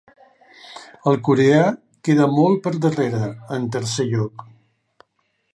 El coreà queda molt per darrere, en tercer lloc.